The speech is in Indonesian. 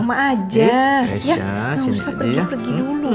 nggak usah pergi pergi dulu